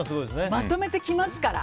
まとめてきますから。